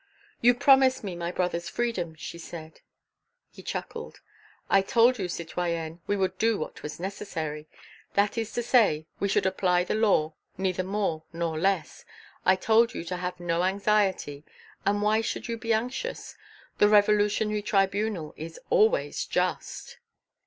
"You promised me my brother's freedom," she said. He chuckled. "I told you, citoyenne, we would do what was necessary, that is to say, we should apply the law, neither more nor less. I told you to have no anxiety, and why should you be anxious? The Revolutionary Tribunal is always just."